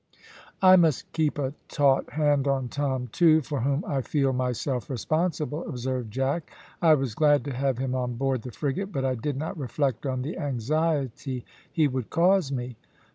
"I must keep a taut hand on Tom, too, for whom I feel myself responsible," observed Jack. "I was glad to have him on board the frigate, but I did not reflect on the anxiety he would cause me."